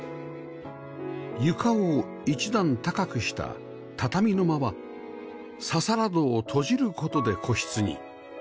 床を一段高くした畳の間はささら戸を閉じる事で個室に